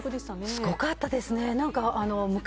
すごかったですね。